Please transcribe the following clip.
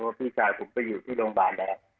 ก่อนที่จะรู้ว่าพี่ชาย